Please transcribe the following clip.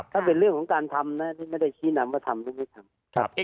ถ้าเป็นเรื่องของการทำนะนี่ไม่ได้ชี้นำว่าทำหรือไม่ทำ